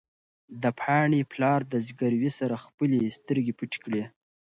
د پاڼې پلار د زګېروي سره خپلې سترګې پټې کړې.